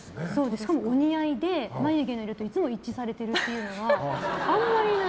しかも、お似合いで眉毛の色といつも一致されてるっていうのはあんまりない。